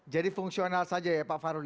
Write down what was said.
jadi fungsional saja ya pak fahru